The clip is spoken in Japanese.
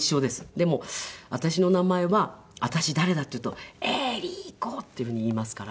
でも私の名前は「私誰だ？」って言うと「えり子」っていうふうに言いますから。